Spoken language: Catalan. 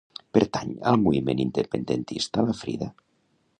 Pertany al moviment independentista la Frida?